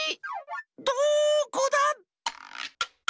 どこだ？